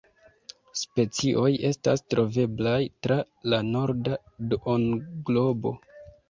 Specioj estas troveblaj tra la norda duonglobo.